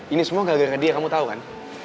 ini semua gagal gede kamu tahu kan